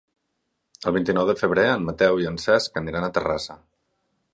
El vint-i-nou de febrer en Mateu i en Cesc aniran a Terrassa.